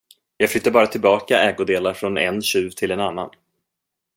Jag flyttar bara tillbaka ägodelar från en tjuv till en annan.